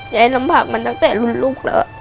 ลำบากมาตั้งแต่รุ่นลูกแล้ว